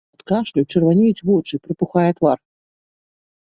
Ад кашлю чырванеюць вочы, прыпухае твар.